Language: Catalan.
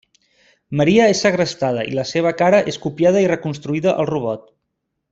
Maria és segrestada i la seva cara és copiada i reconstruïda al robot.